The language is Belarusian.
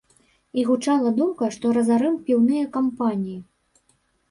І гучала думка, што разарым піўныя кампаніі.